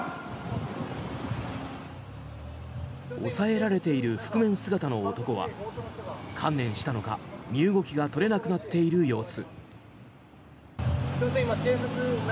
押さえられている覆面姿の男は観念したのか身動きが取れなくなっている様子。